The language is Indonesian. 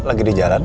lagi di jalan